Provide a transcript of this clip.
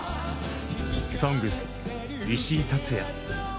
「ＳＯＮＧＳ」石井竜也。